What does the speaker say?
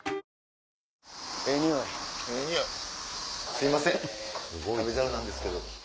すいません『旅猿』なんですけど。